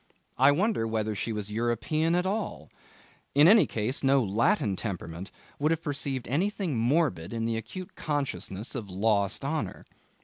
I wonder whether she was European at all? In any case, no Latin temperament would have perceived anything morbid in the acute consciousness of lost honour.